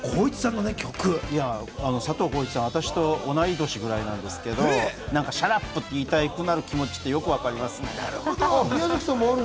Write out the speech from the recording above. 佐藤浩市さん、私と同い年ぐらいなんですけど、ＳｈｕｔＵｐ！！って言いたくなる気持ちよくわかります。